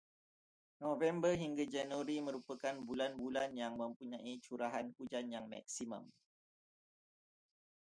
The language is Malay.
November hingga Januari merupakan bulan-bulan yang mempunyai curahan hujan yang maksimum.